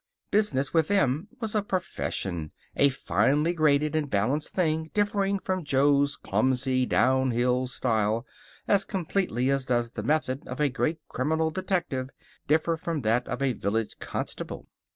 Business, with them, was a profession a finely graded and balanced thing, differing from Jo's clumsy, down hill style as completely as does the method of a great criminal detective differ from that of a village constable.